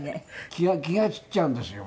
気が散っちゃうんですよ。